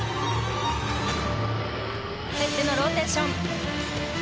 フェッテのローテーション。